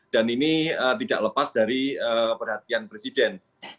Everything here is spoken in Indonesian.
dan ini tidak lepas dari perhatian presiden